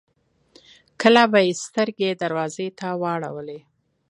کله به يې سترګې دروازې ته واړولې.